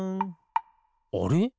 あれ？